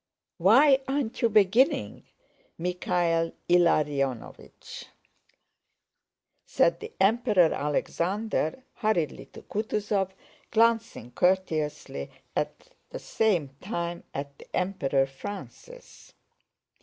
"Why aren't you beginning, Michael Ilariónovich?" said the Emperor Alexander hurriedly to Kutúzov, glancing courteously at the same time at the Emperor Francis.